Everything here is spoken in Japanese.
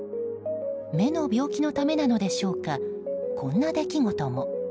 目の病気のためなのでしょうかこんな出来事も。